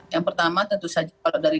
yang pertama tentu saja kalau dari